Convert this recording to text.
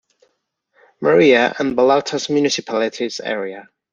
Maria, and Balagtas municipalities area.